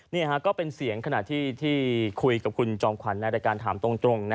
นี่ก็เป็นเสียงขณะที่คุยกับคุณจอมขวัญในรายการถามตรง